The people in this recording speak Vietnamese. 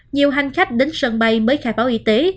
nhiều hành khách đến sân bay mới khai báo y tế